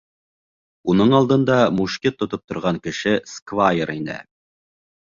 Уның алдында мушкет тотоп торған кеше сквайр ине.